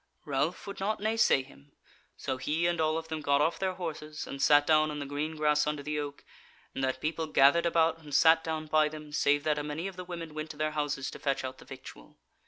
Ralph would not naysay him; so he and all of them got off their horses, and sat down on the green grass under the oak: and that people gathered about and sat down by them, save that a many of the women went to their houses to fetch out the victual.